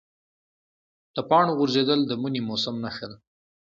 د پاڼو غورځېدل د مني موسم نښه ده.